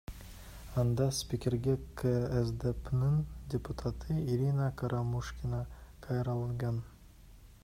Анда спикерге КСДПнын депутаты Ирина Карамушкина кайрылган.